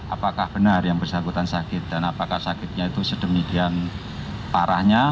apakah benar yang bersangkutan sakit dan apakah sakitnya itu sedemikian parahnya